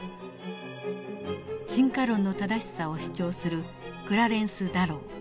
進化論の正しさを主張するクラレンス・ダロウ。